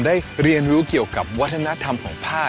ได้เรียนรู้เกี่ยวกับวัฒนธรรมของผ้า